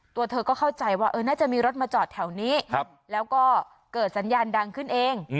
ตัวเธอก็เข้าใจว่าน่าจะมีรถมาจอดแถวนี้แล้วก็เกิดสัญญาณดังขึ้นเอง